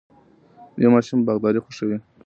یو ماشوم باغداري خوښوي.